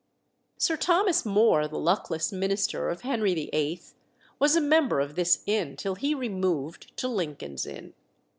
Sir Thomas More, the luckless minister of Henry VIII., was a member of this inn till he removed to Lincoln's Inn.